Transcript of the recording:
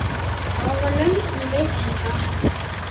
காவலன் உள்ளே சென்றான்.